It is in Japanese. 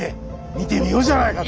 見てみようじゃないかと。